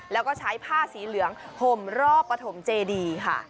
แล้วก็ใช้ผ้าสีเหลืองห่มรอบปฐมเจดีค่ะ